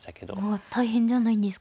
ああ大変じゃないんですか？